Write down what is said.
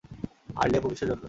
আর লেবু কীসের জন্য?